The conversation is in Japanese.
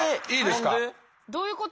どういうこと？